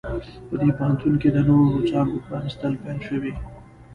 په دې پوهنتون کې د نوو څانګو پرانیستل پیل شوي